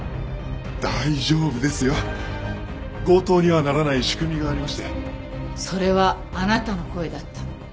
「大丈夫ですよ」「強盗にはならない仕組みがありまして」それはあなたの声だった。